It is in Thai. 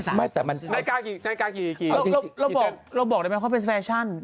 ไม่นาฬิกาใส่สี่เรือนได้นะบอกว่าไปหลายประเทศเวลาเหมือนนั้น